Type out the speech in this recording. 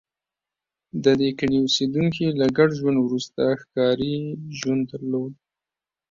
د دې کلي اوسېدونکي له ګډ ژوند وروسته ښکاري ژوند درلود